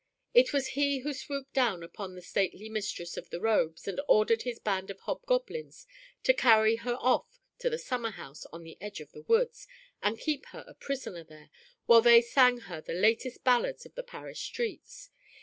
It was he who swooped down upon the stately Mistress of the Robes and ordered his band of hobgoblins to carry her off to the summer house on the edge of the woods, and keep her a prisoner there, while they sang her the latest ballads of the Paris streets.